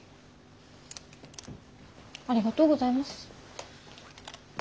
ありがとうございます。